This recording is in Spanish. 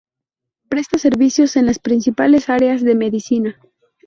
Presta servicios en las principales áreas de medicina.